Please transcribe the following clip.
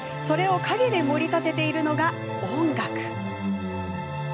それを陰でもり立てているのが音楽。